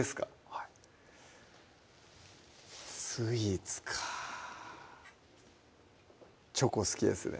はいスイーツかチョコ好きですね